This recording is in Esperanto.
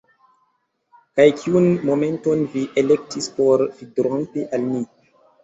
Kaj kiun momenton vi elektis por fidrompi al ni?